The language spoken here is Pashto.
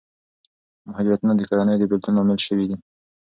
مهاجرتونه د کورنیو د بېلتون لامل شوي دي.